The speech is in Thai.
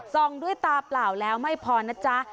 ด้วยตาเปล่าแล้วไม่พอนะจ๊ะ